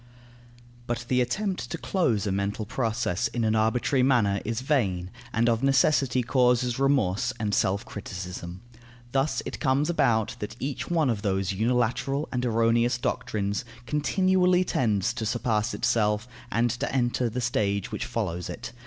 But the attempt to close a mental process in an arbitrary manner is vain, and of necessity causes remorse and self criticism. Thus it comes about, that each one of those unilateral and erroneous doctrines continually tends to surpass itself and to enter the stage which follows it.